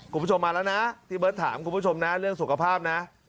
คุณผู้ชมมาแล้วนะที่เบิร์ตถามคุณผู้ชมนะเรื่องสุขภาพนะ